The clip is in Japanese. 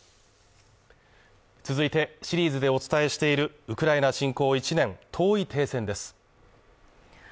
続いて、シリーズでお伝えしている「ウクライナ侵攻を１年遠い停戦」です。